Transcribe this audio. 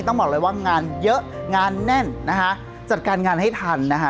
ต้องบอกเลยว่างานเยอะงานแน่นนะคะจัดการงานให้ทันนะคะ